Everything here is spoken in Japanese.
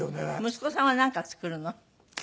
息子さんはなんか作るの？